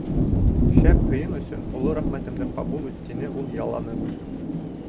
— Шәп һыйың өсөн оло рәхмәтемде ҡабул ит, — тине ул, яланып.